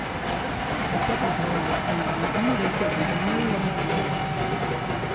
"I beg that you will understand I am only their servant and merely obeying orders."